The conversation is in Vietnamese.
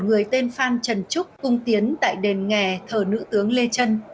người tên phan trần trúc cung tiến tại đền nghề thờ nữ tướng lê trân